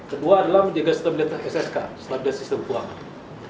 kedua adalah menjaga stabilitas ssk stabilitas sistem keuangan